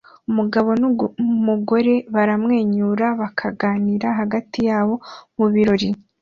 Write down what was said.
Umugabo numugore baramwenyura bakaganira hagati yabo mubirori